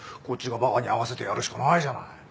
こっちがバカに合わせてやるしかないじゃない。